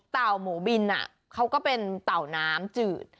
หมูบินเขาก็เป็นเต่าน้ำจืด